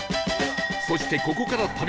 そしてここから